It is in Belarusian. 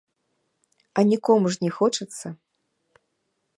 А нікому ж не хочацца.